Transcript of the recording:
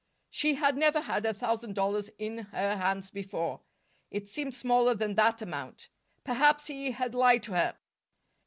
She had never had a thousand dollars in her hands before. It seemed smaller than that amount. Perhaps he had lied to her.